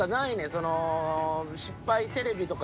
その失敗テレビとか。